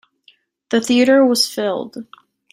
The theater was filled.